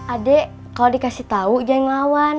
adik kalau dikasih tahu jangan ngelawan